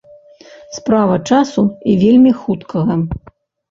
Справа часу і вельмі хуткага.